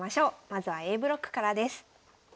まずはＡブロックからです。